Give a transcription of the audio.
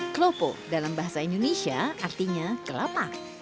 klopo dalam bahasa indonesia artinya kelapa